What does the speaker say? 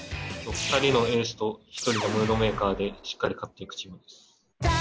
２人のエースと１人のムードメーカーでしっかり勝っていくチームです。